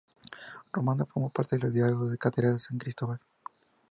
Ramona formó parte de los Diálogos de Catedral en San Cristóbal.